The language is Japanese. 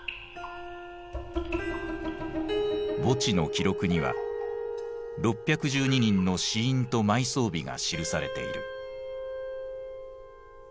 墓地の記録には６１２人の死因と埋葬日が記されている。